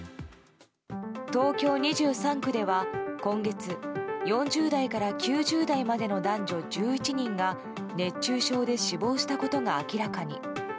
東京２３区では、今月４０代から９０代までの男女１１人が熱中症で死亡したことが明らかに。